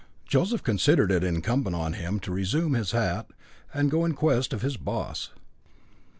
Joseph considered it incumbent on him to resume his hat and go in quest of his "boss."